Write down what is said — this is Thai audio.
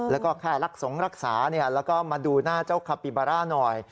แล้วก็แค่รักสงรักษาแล้วก็มาดูหน้าเจ้าคาปิบาร่าหน่อย